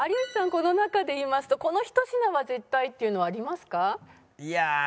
この中でいいますとこのひと品は絶対っていうのありますか？